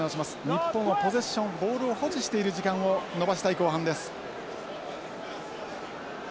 日本はポゼッションボールを保持している時間を延ばしたい後半です。